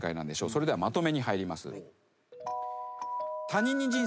それではまとめに入ります。